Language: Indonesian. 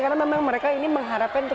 karena memang mereka ini mengharapkan